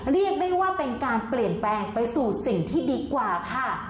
เรียกได้ว่าเป็นการเปลี่ยนแปลงไปสู่สิ่งที่ดีกว่าค่ะ